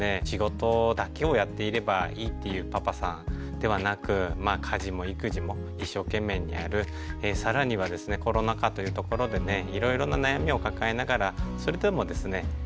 仕事だけをやっていればいいっていうパパさんではなく家事も育児も一生懸命にやる更にはですねコロナ禍というところでねいろいろな悩みを抱えながらそれでもですね